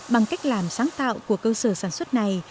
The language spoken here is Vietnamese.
bằng cách làm sáng tạo của cơ sở sản xuất này